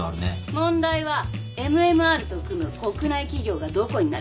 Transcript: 問題はＭＭＲと組む国内企業がどこになるか。